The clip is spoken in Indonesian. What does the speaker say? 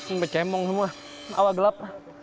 empecemong semua awal gelap